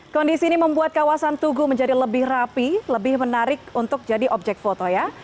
kondisi ini membuat kawasan tugu menjadi lebih rapi lebih menarik untuk jadi objek foto ya